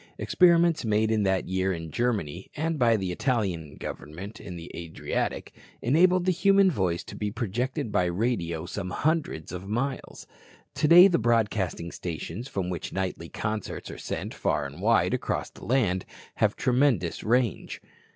Experiments made in that year in Germany, and by the Italian Government in the Adriatic, enabled the human voice to be projected by radio some hundreds of miles. Today the broadcasting stations, from which nightly concerts are sent far and wide across the land, have tremendous range.